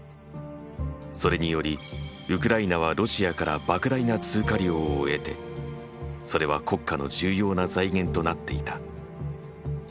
それによりウクライナはロシアから莫大な通過料を得てそれは国家の重要な財源となっていた。